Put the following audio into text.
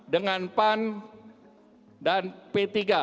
dengan pan dan p tiga